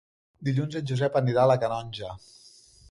Dilluns en Josep anirà a la Canonja.